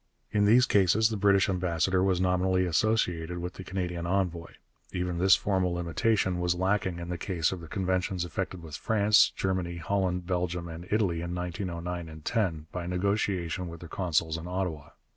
In these cases the British ambassador was nominally associated with the Canadian envoy. Even this formal limitation was lacking in the case of the conventions effected with France, Germany, Holland, Belgium, and Italy in 1909 10, by negotiation with their consuls in Ottawa.